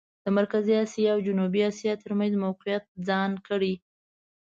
د مرکزي اسیا او جنوبي اسیا ترمېنځ موقعیت ځان کړي.